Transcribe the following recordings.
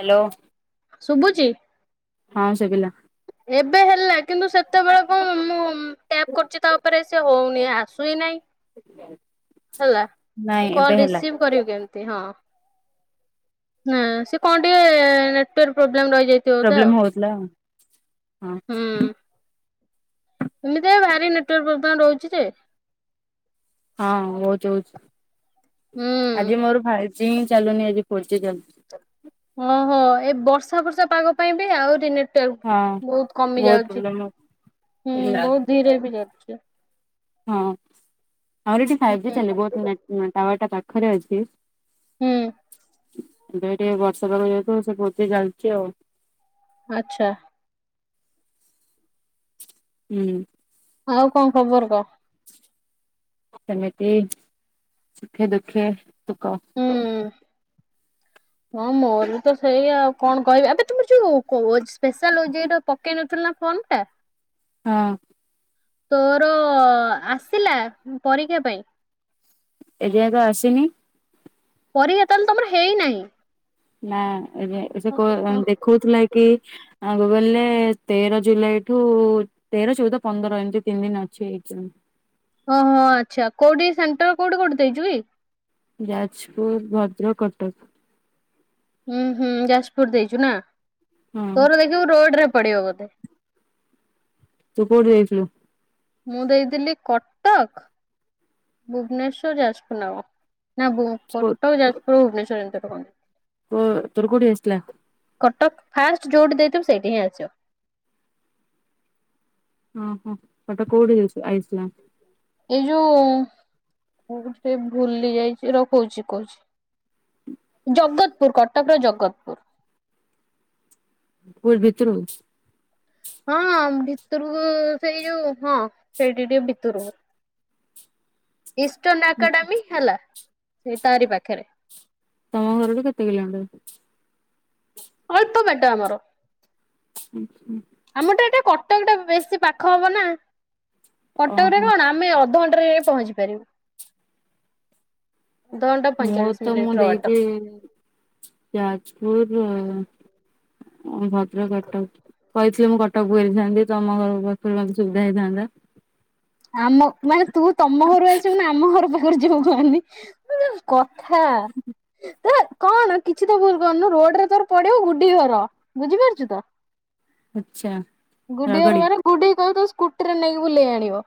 Hello! ଶୁଭୁଛି? ହଁ ଶୁଭିଲା। ଏବେ ହେଲା କିନ୍ତୁ, ସେତେବେଳେ କଣ ମୁଁ ଟ୍ୟାପ୍ କରୁଛି ତା' ଉପରେ ସେ ହଉନି। ଆସୁହିନା ନାଇଁ। ହେଲା, ନାଇଁ ମୁଁ ଏବେ କଲ୍ ହେଲା ରିସିଭ୍ କରିବି କେମତି? ହଁ, ନା ସେ କଣ ଟିଏ-ଏ ନେଟୱର୍କ ପ୍ରୋବ୍ ନାମ୍ ରହିଯାଇଥିବ ତ ପ୍ରୋବ୍ଲେମ ଆଉ ହଉଥିଲା ହଁ ହୁଁ। ଏମିତିଆ ଭାରି ନେଟଉଆର୍ ପ୍ରୋବ୍ଲେମ ରହୁଛି ଯେ ହଁ, ବହୁତ ହଉଛି। ହୁଁ। ଆଜି ମୋର ଫାଇପ୍। ଚିଁ ଚାଲୁନି ଆଜି ଫୋର୍ ଜି ଚାଲୁଛି। ଓ ହୋ! ଏ ବର୍ଷା ବର୍ଷା ପାଗ ପାଇଁ ବି ଆହୁରି ନେଟ ଟେ ହଁ ବହୁତ୍ କମି ବହୁତ ଯାଉଛି। ପ୍ରୋବ୍ଲେମ ହୁଁ, ହଉଛି ବହୁତ୍ ଧିରେ ବି ଯାଉଛି। ହଁ, ଆମର ଏଠି ଫାଇଭ୍ ଜି ଚାଲିବ। ଟ-ଟାୱାର ଟା ପାଖରେ ଅଛି। ହୁଁ। ଏବେ ଟିକେ ବର୍ଷା ପାାଗ ଯେହେତୁ, ସେ ଭୋଜି ଚାଲଛି ଆଉ। ଆଚ୍ଛା। ହୁଁ। ଆଉ କଣ ଖବର କହ? ସେମିତି ସୁଖେ ଦୁଃଖେ। ତୁ କହ। ହୁଁ ହଁ, ମୋର ତ ସେଇ ଆଉ କଣ କହିବି! ଆବେ ତୁମେ ଯୋଉ କୋଜସ୍ ସ୍ପେଶାଲ ଓ ଜେ ଇ ର ପକେଇନଥିଲୁ ନା ଫର୍ମ ଟା ହଁ। ତୋର-ଅ ଆସିଲା ପରୀକ୍ଷା ପାଇଁ ଏଯାଏଁ ତ ଆସିନି। ପରୀକ୍ଷା ତାହଲେ ତମର ହେଇନାଇଁ। ନା, ଏବେ ସେ କ ଦେଖଉଥିଲା କି! ଆ ଗୁଗଲ୍ ରେ ତେର ଜୁଲାଇ ଠୁ-ଉ ତେର, ଚଉଦ, ପନ୍ଦର, ଏମିତି ତିନି ଦିନ ଅଛି ଏକ୍ଜାମ। ଓହୋ! ଆଚ୍ଛା କୋଉଠି ସେଣ୍ଟର, କୋଉଠି କୋଉଠି ଦେଇଛୁ କି? ଯାଜପୁର, ଭଦ୍ରକ, କଟକ। ହୁଁ, ହୁଁ, ଯାଜପୁର ଦେଇଛୁ ନା ହଁ ତୋର ଦେଖିବୁ, ରୋଡରେ ପଡ଼ିବବୋଧେ ତୁ କଉଠି ଦେଇଥିଲୁ? ମୁଁ ଦେଇଥିଲି କଟକ, ଭୁବନେଶ୍ଵର, ଯାଜପୁର ନା କଣ? ନା ବୋଁ କଟକ, ଯାଜପୁର, ଭୁବନେଶ୍ବର ଏମିତିଆ ଟା କଣ ଦେ ଓ ତୋର କୋଉଠି ଆସିଥିଲା? କଟକ ଫାଷ୍ଟ ଯୋଉଠି ଦେଇଥିବୁ। ସେଇଠି ହିଁ ଆସିବ ଓହ! ହେଟା କୋଡ଼ି କିଛି ଆଇ ଐସ୍ଲାମ୍। ଏଇ ଯୋଉଁ କଉଠି ଟେ ଭୁଲି ଯାଇଛି। ର କହୁଛି କହୁଛି। ଜଗତପୁର କଟକର ଜଗତପୁର। ପୁର୍ ଭିତୁରୁକୁ। ହଁ, ଭିତରୁକୁ ସେଇ ଯୋଉ ହଁ, ସେଇଠି ଟିକେ ଭିତୁରୁକୁ। ଇଷ୍ଟର୍ଣ୍ଣ ଏକାଡେମୀ ହେଲା। ସେ ତାରି ପାଖରେ ତମ ଘରଠୁ କେତେ କିଲୋମିଟର? ଅଳ୍ପ ବାଟ ଆମର। ଉଁ ହୁଁ। ଆମରଟା ଏଟା କଟକ ଟା ବେଶୀ ପାଖ ହବ ନା କଟକରେ ଓହୋ କଣ ଆମେ ଅଧ ଘଣ୍ଟାରେ ପହଞ୍ଚିପାରିବୁ। ମୋର ତ ମୁଁ ଦେଇଚି ଯାଜପୁର ଭଦ୍ରକ କଟକ କହିଥିଲ କଟକ ପକେଇ ଦେଇଥାନ୍ତି ତମ ଘରକୁ ପାଖରୁ ମୋତେ ସୁବିଧା ହେଇଥାନ୍ତା। ଆମ ମାନେ ତୁ ତମ ଘରୁ ଆସିବୁ ନା ଆମ ଘର ପାଖରେ ଯିବୁ କହନି। କଥା ଏ କଣ କିଛି ତ ଭୁଲ କରୁନୁ ରୋଡ଼ରେ ତୋର ପଡିବ ଗୁଡି ଘର ବୁଝିପାରୁଚୁ ତ। ଆଚ୍ଛା ରଗଡି। ଗୁଡ଼ିଘର ମାନେ ଗୁଡ଼ି କହିବୁ ତା ସ୍କୁଟିରେ ନେଇକି ବୁଲେଇ ଆଣିବ।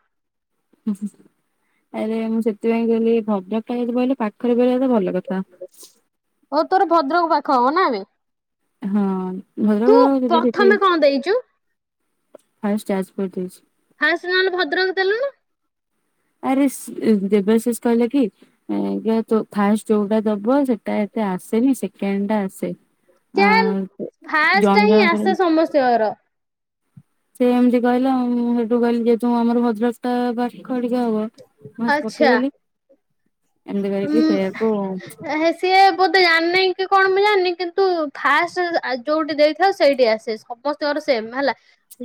ଆରେ ମୁଁ ସେଥିପାଇଁ କହିଲି ଭଦ୍ରକ ଟା ଯଦି କହିଲେ ପାଖରେ ଗହଲେ ଭଲ କଥା। ଓ ତୋର ଭଦ୍ରକ ପାଖ ହବ ନାବେ? ହଁ ଭଦ୍ରକ ଯିବି ସେଠି। ପ୍ରଥମେ କଣ ଦେଇଛୁ ହାଇଷ୍ଟ ଆଜପର ଦେଇଚି। ଫାଷ୍ଟ ନହେଲେ ଭଦ୍ରକ ଦେଲୁନୁ। ଆରେ ଦେବଶିଷ କହିଲେ କିଞ ଫାଷ୍ଟ ଯୋଉଟା ଦବୁ ସେଟା ତେ ଆସେନି ସେକେଣ୍ଡ ଟା ଆସେ ଆ ଚାଲ ଫାଷ୍ଟ ଜଣ ହିଁ ଜଣା ଆସେ କର ସମସ୍ତଙ୍କର ସେ ଏମିତି କହିଲା ଆ ମୁଁ ହେଠୁ କହିଲି ଯେହେତୁ ଆମର ଭଦ୍ରକ ଟା ବାହାର ଖଡିକ ହବ ବାସ ଆଚ୍ଛା ପକେଇଦଲି। ଉଁ ହେ ସିଏ ବୋଧେ ଜାଣିନାହି କି କଣ। ମୁଁ ଜାଣିନି କିନ୍ତୁ ଫାଷ୍ଟ ଆ ଯୋଉଠି ଦେଇଥାଉ ସେଇଠି ଆସେ ସମସ୍ତଙ୍କର ସେମ ହେଲା।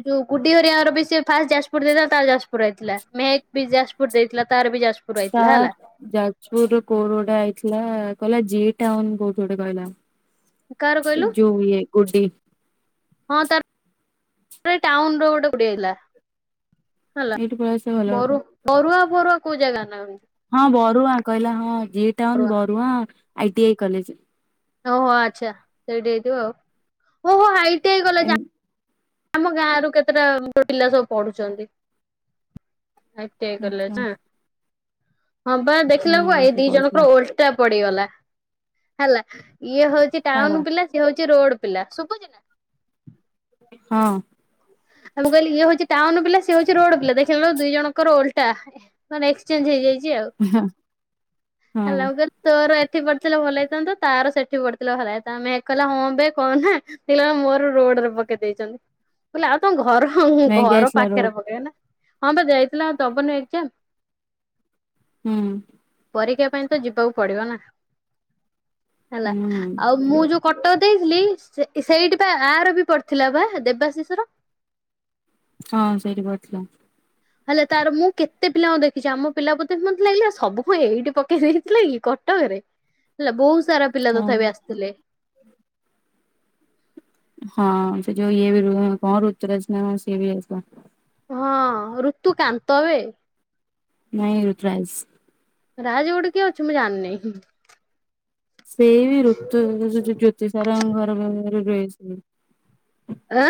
ଯୋଉ ଗୁଡ଼ି ହରିଆର ବି ସେ ଫାଷ୍ଟ ଯାଜପୁର ଦେଇଥିଲା ତାର ଯାଜପୁର ଆଇଥିଲା ମେହକ୍ ବି ଯାଜପୁର ଦେଇଥିଲା ତାର ବି ଯାଜପୁର ଆଇଥିଲା ସାର ହେଲା ଯାଜପୁର। କୋଉଠି ଗୋଟେ ଆଇଥିଲା କହିଲା ଜି ଟାଉନ୍ କୋଉଠି ଗୋଟେ କାହାର କହିଲା। କହିଲୁ ଯୋ ଇଏ ଗୁଡ଼ି ପ ଟାଉନର କୁ ପଡିଯାଇଥିଲା। ହେଲା ଏଇଠି ପଳେଇ ଆସିବା ଭଲ କଥା ବରୁ ବରୁଆ ବରୁଆ କୋଉ ଜାଗା ନାବେ? ହଁ ବରୁଆ କହିଲା ହଁ ଜି town Barua I T E college. ଓହୋ ଆଚ୍ଛା ସେଇଠି ହେଇଥିବ ଆଉ ଓହୋ ଆଇ ଟି ଆଇ କଲେଜ ଏମ ଆମ ଗାଁ ରୁ କେତେଟା ପିଲା ସବୁ ପଢ଼ୁଚନ୍ତି। ଆଇ ଟି ଆଇ ଆଛା କଲେଜ ନା। ହଁବା ଦେଖିଲାକୁ ହୁଁ ଏଇ ସେ ଦି କହୁଥିଲା ଜଣଙ୍କର ଓଲଟା ପଡ଼ିଗଲା ହେଲା। ଇଏ ହଉଚି ତାର ଟାଉନ ପିଲା ସିଏ ହଉଚି ରୋଡ ପିଲା ଶୁଭୁଚି ନା। ହଁ। ଆ ମୁଁ କହିଲି ଇଏ ହଉଚି ଟାଉନ ପା ସେଏ ହଉଚି ରୋଡ ପିଲା ଦେଖିଲା ଦି ଜଣଙ୍କର ଓଲଟା ମାନେ ଏକ୍ସଚେଞ୍ଜ ହେଇଯାଇଚି। ଯି ଆଉ ହେଲା ହଁ ମୁଁ କହିଲି ତୋର ସେଠି ପଡ଼ିଥିଲେ ଭଲ ହେଇଥାନ୍ତା ତାର ସେଠି ପଡ଼ିଥିଲେ ଭଲ ହେଇଥାତା ଆେ କହ ହଁ ବେ କହନା ମୋର ଡ଼ ରେ ପକେଇ ଦେଇଚନ୍ତି ମୁଁ କହିଲି ଆଉ ତମ ଘର ମ୍ୟାଗି ଘର ଆଇଥିଲା ପାଖରେ ରୋଡ ପକେଇବେ ନା ହଁ ବା ଯାଇଥିଲା ଦବନୁ ଏକଜାମ। ହୁଁ। ପରୀକ୍ଷା ପାଇଁ ତ ଯିବାକୁ ପଡିବ ନା ହେଲା ଆଉ ହୁଁ ମୁଁ ଯୋଉ କଟକ ଦେଇଥିଲି ସେଇ ସେଇଠି ବା ଆର ବି ପଡିଥିଲା ବା ଦେବାଶିଷର ହଁ ସେଇଟି ପଡ଼ିଥିଲା। ହେଲେ ତାର ମୁଁ କେତେ ପିଲାଙ୍କୁ ଦେଖିଚି ଆମ ପିଲା ମୋତେ ଲାଗିଲି ସବୁ କ ଏଇଠି ପକେଇ ଦେଇଥିଲେ କି କଟକରେ, ହେଲା ବହୁତ ସାରା ପିଲା ତଥାପି ହଁ ଆସିଥିଲେ। ହଁ ସେ ଯଉ ଇଏ ବି ରୁ କଣ ରୁ ଋତୁରାଜ ସେ ବି ଯାଇଥିଲା। ହଁ ଋତୁ କାନ୍ତ ବେ। ନାଇଁ ଋତୁରାଜସ୍। ରାଜ ଗୋଟେ କିଏ ଅଛି ମୁଁ ଜାଣିନେହିଁ। ସେ ବି ଋତୁ ଜ୍ୟୋତି ସାରଙ୍କ ଘର ପାଖରେ ରୁହେ ସେ। ଆ।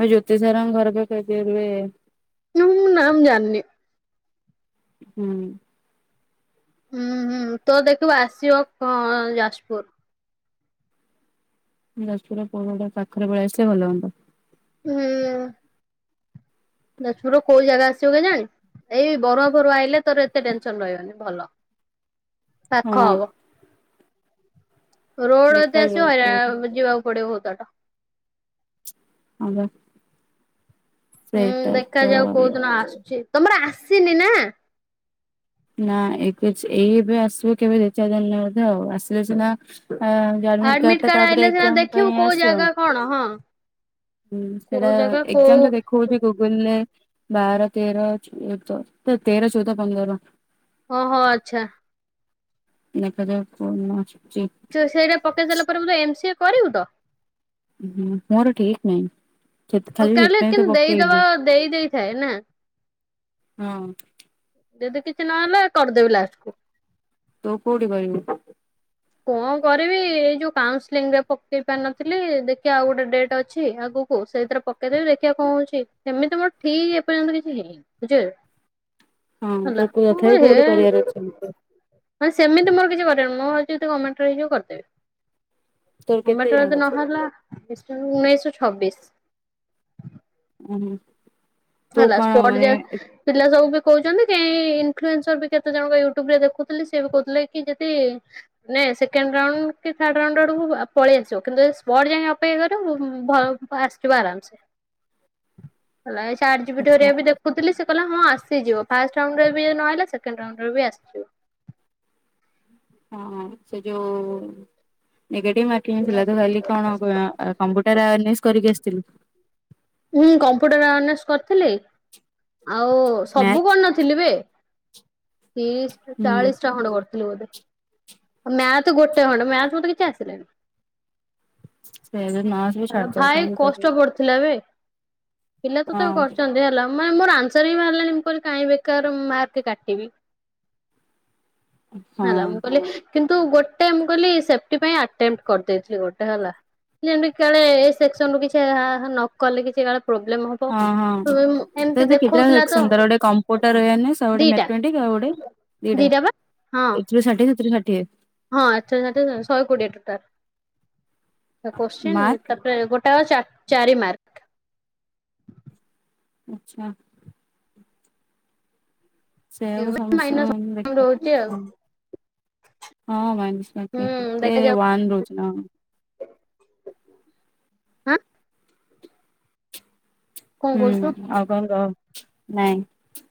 ଆଉ ଜ୍ୟୋତି ସାରଙ୍କ ଘର ପାଖରେ ଯିଏ ରୁହେ। ହଁ ନା ମୁଁ ଜାଣିନି। ହୁଁ। ହୁଁ ହୁଁ ତୋର ଦେଖିବୁ ଆସିବ କ ଯାଜପୁର। ଯାଜପୁର ପୁରୁଟା ପାଖରେ ପଳେଇ ଆସିଲେ ଭଲ ହୁଅନ୍ତା। ହୁଁ। ଯାଜପୁରର କଉ ଜାଗା ଆସଛି କେଜାଣି। ଏଇ ବରୁଆ ଫରୁଆ ଆଇିଲେ ତୋର ଏତେ ଟେନସନ ରହିବନି ଭଲ। ମ ପାଖ ହବ। ରୋଡ ଏତେ ଆସିବ ଦେଖାଯାଉ କୋଉଠି ହଇରାଣ ଯିବାକୁ ପଡିବ ବହୁତ ବାଟ। ହଁପା। ହୁଁ ଦେଖାଯାଉ କୋଉଦିନ ଆସୁଚି। ତମର ଆସିନି ନା। ନା ଏଇ କିଛି ଏଇ ଏବେ ଆସିବ କେବେ ଦି ଚାରି ଦିନରେ ବୋଧେ ଆଉ। ଆସିଲେ ସିନା ଅଁ ଆଡମିଟ୍ ଆଡମିଟ କାର୍ଡଟା କାର୍ଡ ତାପରେ ଆଇଲେ ସିନା ଏକ୍ଜାମ ଦେଖିବୁ ପାଇଁ କୋଉ ଆସିବ। ଜାଗା କଣ ହଁ ହୁଁ କୋଉ ହେଇଟା ଜାଗା କୋଉ ଏକ୍ଜାମ ରେ ଦେଖଉଚି ଗୁଗୁଲରେ। ବାର ତେର ଏକ ତେର ଚୋଉଦ ପନ୍ଦର। ଓ ହୋ ଆଚ୍ଛା। ଦେଖା ଯାଉ କୋଉଦିନ ଆ ସିଏ ସେଇଟା ପକେଇ ସାରିଲା ପରେ ଏମ ସିଏ କରିବୁ ତ? ଉଁ ହୁଁ ମୋର ଠିକ ନାହିଁ। ସେ ହଉ ଖାଲି କାଲି ସେଥିପାଇଁ ତ କିନ୍ତୁ ଦେଇଦବା ପକେଇଲି ଦେଇ ଦେଇଥାଏ ନା। ହୁଁ। ଯଦି କିଛି ନହେଲେ କରିଦେବି ଲାଷ୍ଟକୁୁ। ତୁ କୋଉଠି କରିବୁ? କଣ କରିବି ଏଇ ଯୋଉ କାଉନସଲିଂ ରେ ପକେଇ ପାରିନଥିଲି। ଦେଖିଆ ଆଉ ଗୋଟେ ଡେଟ୍ ଅଛି ଆଗୁ ସେଇଥିରେ ପକେଇଦେବି ଦେଖିବା କଣ ହଉଚି। ସେମିତି ମୋର ଠିକ ଏ ପର୍ଯ୍ୟନ୍ତ କିଛି ହେଇନି ବୁଝିହେଲା। ହଁ ତ ତଥାପି କୋଉଠି କରିବାର ଅଛି ମତେ? ମାନେ ସେମିତି ମୋର କିଛି କରିବାର ନାହିଁ। ମୋର ହୋଉଚି ଜଦି ଗମେଣ୍ଟରେ ହେଇଯିବ କରିଦେବି। ତୋର କେତେ ଗମେନଟ ରୁ ଯାଏଁ ଯଦି ଅଛି ନହେଲା ଇଷ୍ଟ ଉଣେଇଶ ରୁ ଛବିଶ। ଉଁ ହୁଁ । ହେଲା ସ୍ପଟ ଯା ପିଲା ସବୁ ବି କହୁଛନ୍ତି କାଇଁ ଇନଫ୍ଲୁଏସର ବି କେତେ ଜଣ ୟୁଟ୍ୟୁବରେ ଦେଖୁିଥିଲି। ସେ ବି କହୁଥିଲେ କି ଯଦି ସେକେଣ୍ଡ ରାଉଣ୍ଡ କି ଥାର୍ଡ ରାଉଣ୍ଡ ଆଡକୁ ପଳେଇ ଆସିବ। କିନ୍ତୁ ସ୍ପଟ୍ ଯାଏ ଅପେକ୍ଷା କରିବ ଭ ଆସିଯୀବ ଆରାମ ସେ। ଭଲ ହେଇ ଚାର୍ଟ ଯି ପି ଟି ରେ ଆଚ୍ଛା ଦେଖୁଥିଲି ସେ କହିଲା ହଁ ଆସିଯିବ। ଫାଷ୍ଟ ରାଉଣ୍ଡରେ ବି ନହେଲା ସେକେଣ୍ଡ ରାଉଣ୍ଡରେ ବି ଆସିଯିବ। ହଁ ସେ ଯୋଉ ନେଗେଟିଭ ମାରକିଂଥିଲା ତୁ ଖାଲି କଣ କମ୍ପୁଟର ଉନିଶ କରିକି ଆସିଥିଲୁ? ହୁଁ କମ୍ପ୍ୟୁଟର ଅନସ କରିଥିଲି। ଆଉ ସବୁ ମ୍ୟାଥ୍ କରିନଥିଲି ବେ? ତିରିଶ ରୁ ହୁଁ ଚାଳିଶ ଟା ଖଣ୍ଡେ କରିଥିଲି ବୋଧେ? ମ୍ୟାଥ୍ ଗୋଟେ ଖଣ୍ଡେ ମ୍ୟାଥ ମତେ କିଛି ସେ ନର୍ସ ବି ଆସିଲାନି। ଛାଡିଦବ ଭାଇ କାହିଁକି କରିବୁ କଷ୍ଟ ପଡୁଥିଲା ବେ? ପିଲା ତଥାପି ହଁ କରିଚନ୍ତି ହେଲା। ମୋର ଆନ୍ସର ହିଁ ବାହାରିଲାନି। ମୁଁ କହିଲି କାହିଁ ବେକାରେ ମାର୍କ କାଟିବି। ହଁ ହେଲା ମୁଁ କହିଲି କିନ୍ତୁ ଗୋଟେ ମୁଁ କହିଲି ସେଫଟି ପାଇଁ ଆଟେଣ୍ଡ କରିଦେଇଥିବି ଗୋଟେ ହେଲା। ଯେମତି କାଳେ ଏ ସେକ୍ସନରୁ କିଛି ଆହାହା ନ କଲେ କିଛି କାଳେ ପ୍ରୋବ୍ଲେମ ହବ। ହଁ-ହଁ [unintelligible] ଏମିତି ଦେଖଉଥିଲା ତ ଗୋଟେ କମ୍ପୁଟର [unintelligible] ଆଉ ଗୋଟେ ଦିଟା ମ୍ୟାଥମେଟିକ୍ ଆଉ ଆଉ ଗୋଟେ ଦିଟା ପା। ଏଥିରୁ ଷାଠିଏ ସେଥିରୁ ଷାଠିଏ। ହଁ ଆଛା ଷାଠିଏ [inaudible] ଶହେ କୋଡିଏ ଟୋଟାଲ। [inaudible] କୋଶ୍ଚିନ୍ ମାର୍କ ତାପରେ ଗୋଟାକ ଚା ଚାରି ମାର୍କ। ଆଚ୍ଛା। ସେଇଆକୁ ସମସ୍ତ ମାଇନସ୍ ଦେଖୁଛି ରହୁଛି ଆଉ କଣ ହଁ ମାଇନସ୍ ହୁଁ ମାର୍କିଙ୍ଗ୍ କେତେ ଦେଖାଯାଉ ୱାନ ରହୁଛି ନା କଣ? ଆଁ? ହୁଁ କହୁଛୁ? ଆଉ କଣ କହ? ନାଇଁ।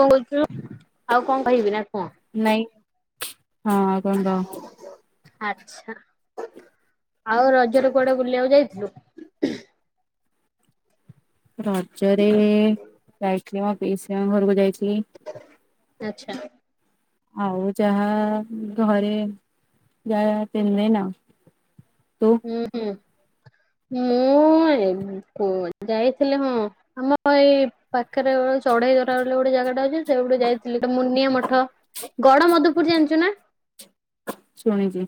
କଣ [inaudible] ଆଉ କଣ କହିବି ନା କଣ? ନାଇଁ ହଁ କଣ କହ। ଆଚ୍ଛା, ଆଉ ରଜରେ କୁଆଡେ ବୁଲିବାକୁ ଯାଇଥିଲୁ? ରଜରେଏ-ଏ ଯାଇଥିଲି ମୋ ପିଇସୀଙ୍କ ଘରକୁ ଯାଇଥିଲି। ଆଚ୍ଛା। ଆଉ ଯାହା ଘରେ ଯାହା ପିନ୍ଧେନା। ତୁ ହୁଁ-ହୁଁ ମୁଁ ହଁ [inaudible] ଯାଇଥିଲେ ହଁ ଆମ ଏଇ ପାଖରେ ଗ ଚଢେଇଧରା ବୋଲି ଗୋଟେ [inaudible] ଜାଗା ଗୋଟେ ଅଛି ସେ [inaudible] ଯାଇଥିଲି ମୁନିଆଁ ମଠ, ଗଡମଧୁପୁର ଜାଣିଛୁ ନା? ଶୁଣିଛି।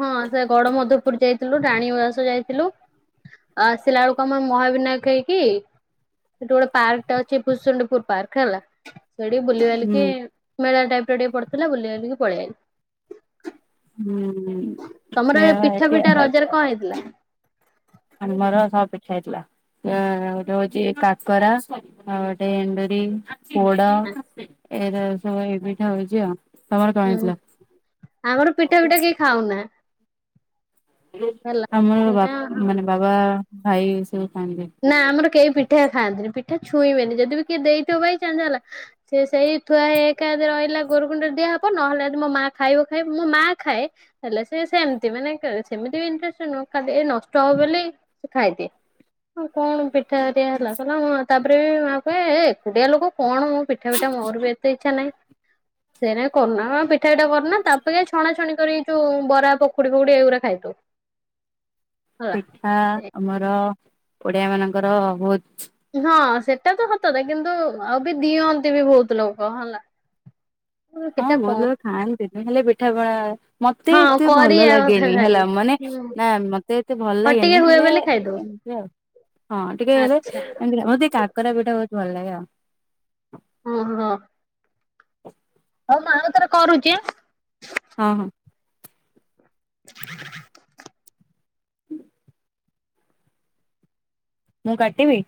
ହଁ ସେ ଗଡମଧପୁର ଯାଇଥିଲୁ, ରାଣୀ ଉଆସ ଯାଇଥିଲୁ। ଆଉ ଆସିଲା ବେଳକୁ ଆମେ ମହାବିନାୟକ ହେଇକି ସେଠି ଗୋଟେ ପାର୍କଟେ ଅଛି ପୁସୁଣ୍ଡପୁର ପାର୍କ ହେଲା। ସେଠି ବୁଲିବାଲିକି ହୁଁ ମେଳା ଟାଇପର ଟିକେ ପଡିଥିଲା ବୁଲିବାଲିକି ପଳେଇ ଆଇଲୁ। ହୁଁଉ-ଉ-ଉ ସେଇଆ [unintelligible] ରଜରେ କଣ ହେଇଥିଲା? ଆମର ହଁ ପିଠା ହେଇଥିଲା। ଗୋଟେ ହଉଛି କାକରା ଆଉ ଗୋଟେ ଏଣ୍ଡୁରି। ପୋଡା ଏରା ସବୁ ଏଇ ପିଠା ହଉଛି ଆଉ। ତମର କଣ ହୁଁ ହେଇଥିଲା? ଆମର ପିଠା ଫିଠା କେହି ଖାଉନା। ହେଲା ଆମର ବା ସେଇଟା ମାନେ ବାବା ଭାଇ ସବୁ ଖାଆନ୍ତି। ନା ଆମର କେହି ପିଠା ଖାଆନ୍ତିନି ପିଠା ଛୁଇଁବେନି ଯଦି ବି କିଏ ଦେଇଥିବ ବାଇଚାନସ ହେଲା ସେ ସେଇ ଥୁଆ ହେଇ ହେଇକା [inaudible] ରହିଲା ଗୋରୁ କୁଣ୍ଡରେ ଦିଆହବ ନହେଲେ ଯଦି ମୋ ମାଆ ଖାଇବ ଖାଇବ, ମୋ ମାଆ ଖାଏ ହେଲା ସେ ସେମିତି ମାନେ [inaudible] ସେମିତି ବି ଇଣ୍ଟ୍ରେଷ୍ଟ ନୁହଁ ଖାଲି ନଷ୍ଟ ହବ ବୋଲି ସେ ଖାଇଦିଏ। [inaudible] ହଁ କଣ ପିଠାହେରିଆ ହେଲା କହିଲା ହଁ ତାପରେ ମାଆ କୁହେ ଏ ଏକୁଟିଆ ଲୋକ କଣ ମ ପିଠା ଫିଠା ମୋର ବି ଏତେ ଇଚ୍ଛା ନାହିଁ। [inaudible] ସେଇନାଗି କରୁନା ପିଠା ଫିଠା କରୁନା ତାପରେ ଛଣାଛଣି କରିଛୁ ବରା ପକୁଡି ଫକୁଡ଼ି ଏଇଗୁରା ଖାଇଥାଉ। [inaudible] ପିଠା ଆମର ଓଡିଆମାନଙ୍କର ବହୁତ୍ ହଁ ସେଟା ତ ସତ କଥା କିନ୍ତୁ ଆଉ ବି ଦିଅନ୍ତି ବି ବହୁତ ଲୋକ ହେଲା। ହଁ କେଟା ବହୁତ କଣ ଲୋକ ଖାଆନ୍ତିନି ହେଲେ ପିଠାପଣା ମତେ ହଁ ଏତେ ଭଲ କରିବା କଥା ଲାଗେନି ହେଲା ଖାଲି ମାନେ ହୁଁ। ନା ମତେ ଏତେ ଭଲ ଖଟିକେ ଲାଗେନି ହୁଏ ହେଲେ ବୋଲି ଖାଇଦଉ ଏମ୍ ଏମିତି ଆଉ, ହଁ ଟିକେ ହେଲେ ଆଚ୍ଛା ମତେ କାକରା ପିଠା ବହୁତ ଭଲ ଲାଗେ ଆଉ। ଓହୋ ହଉ ମୁଁ ଆଉ ଥରେ କରୁଚି। ହଁ -ହଁ। [inaudible] ମୁଁ କାଟିବି?